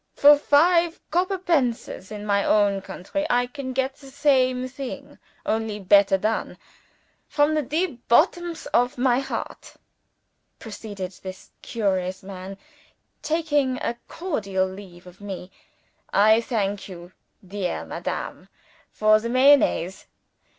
For five copper pences, in my own country, I can get the same thing only better done. From the deep bottoms of my heart," proceeded this curious man, taking a cordial leave of me, "I thank you, dear madam, for the Mayonnaise.